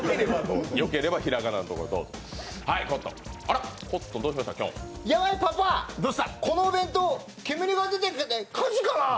よければひらがなのところ、どうぞパパ、このお弁当、煙が出てる、火事かな。